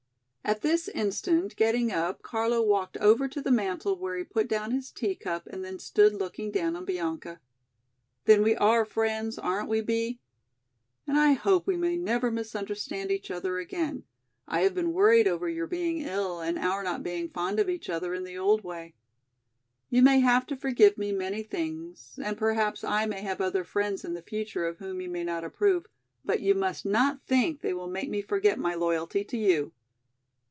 At this instant getting up Carlo walked over to the mantel where he put down his tea cup and then stood looking down on Bianca. "Then we are friends, aren't we, Bee? And I hope we may never misunderstand each other again. I have been worried over your being ill and our not being fond of each other in the old way. You may have to forgive me many things and perhaps I may have other friends in the future of whom you may not approve, but you must not think they will make me forget my loyalty to you."